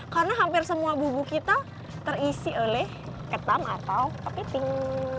karena hampir semua bubu kita terisi oleh ketam atau kepiting